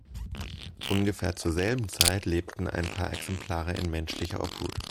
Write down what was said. Ungefähr zur selben Zeit lebten ein paar Exemplare in menschlicher Obhut.